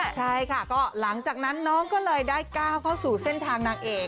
ใช่ค่ะก็หลังจากนั้นน้องก็เลยได้ก้าวเข้าสู่เส้นทางนางเอก